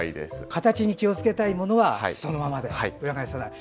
形に気をつけたいものはそのまま裏返さない。